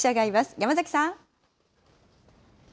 山崎さん。